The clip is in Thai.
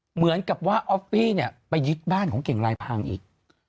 เหมือนกับว่าออฟฟี่เนี่ยไปยึดบ้านของเก่งลายพังอีก